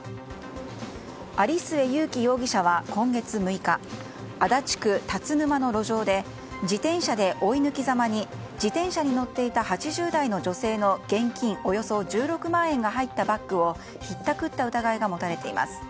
有末悠樹容疑者は今月６日足立区辰沼の路上で自転車で追い抜きざまに自転車に乗っていた８０代の女性の現金およそ１６万円が入ったバッグをひったくった疑いが持たれています。